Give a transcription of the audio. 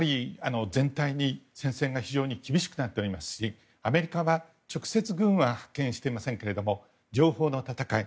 全体に戦線が厳しくなっておりますしアメリカは直接、軍は派遣していませんが情報の戦い